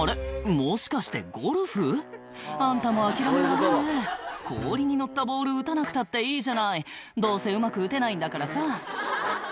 もしかしてゴルフ？あんたも諦め悪いねぇ氷に乗ったボール打たなくたっていいじゃないどうせうまく打てないんだからさ